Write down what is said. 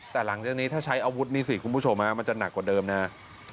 แต่หลังจากนี้ถ้าใช้อาวุธนี่สิคุณผู้ชมมันจะหนักกว่าเดิมนะฮะ